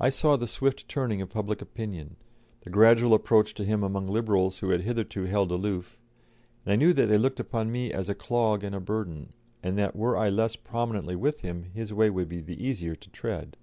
I saw the swift turning of public opinion, the gradual approach to him among Liberals who had hitherto held aloof, and I knew that they looked upon me as a clog and a burden, and that were I less prominently with him his way would be the easier to tread.